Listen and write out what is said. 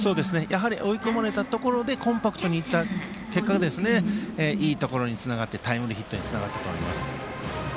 追い込まれたところでコンパクトに行った結果がいいところにつながってタイムリーヒットにつながったと思います。